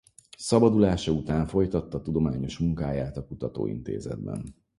Szabadulása után folytatta tudományos munkáját a kutatóintézetben.